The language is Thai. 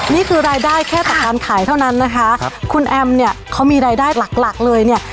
นี่คือรายได้แค่ต่อการขายเท่านั้นนะคะครับคุณแอมเนี่ยเขามีรายได้หลักหลักเลยเนี่ย